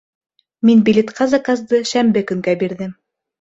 Мин билетҡа заказды шәмбе көнгә бирҙем